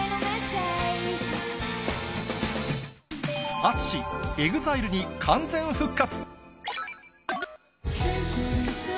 ＡＴＳＵＳＨＩ、ＥＸＩＬＥに完全復活。